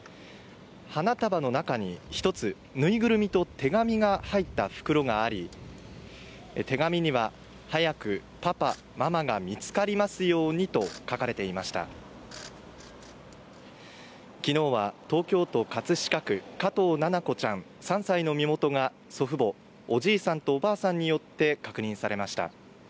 花束の中に１つ、ぬいぐるみと手紙が入った袋があり、手紙には、「早くパパ、ママが見つかりますように」と書かれていました昨日は東京都葛飾区加藤七菜子ちゃん３歳の身元が祖父母によって確認されました。